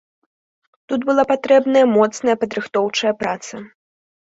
Тут была патрэбная моцная падрыхтоўчая праца.